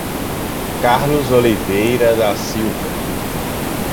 Carlos Oliveira da Silva